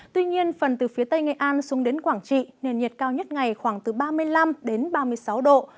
tuy nhiên phần từ phía tây nghệ an xuống đến quảng trị nền nhiệt cao nhất ngày khoảng từ ba mươi năm ba mươi sáu độ